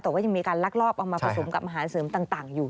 แต่ว่ายังมีการลักลอบเอามาผสมกับอาหารเสริมต่างอยู่